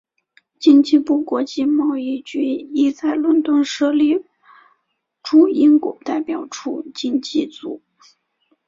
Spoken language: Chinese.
经济部国际贸易局亦在伦敦设立驻英国代表处经济组。